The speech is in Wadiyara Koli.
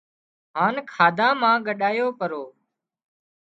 هانَ کاڌا مان ڳڏايو پرو